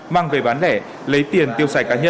mang về bán lẻ lấy tiền tiêu xài cá nhân